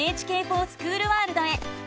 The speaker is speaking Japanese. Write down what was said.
「ＮＨＫｆｏｒＳｃｈｏｏｌワールド」へ。